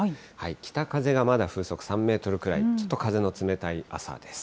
北風がまだ風速３メートルくらい、ちょっと風の冷たい朝です。